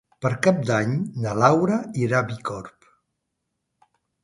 Per Cap d'Any na Laura irà a Bicorb.